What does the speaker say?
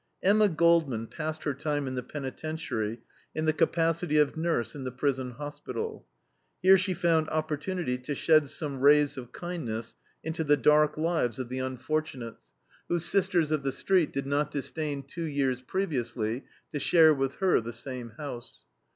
Emma Goldman passed her time in the penitentiary in the capacity of nurse in the prison hospital. Here she found opportunity to shed some rays of kindness into the dark lives of the unfortunates whose sisters of the street did not disdain two years previously to share with her the same house.